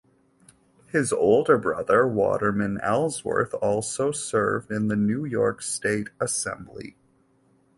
His older brother Waterman Ellsworth also served in the New York State Assembly.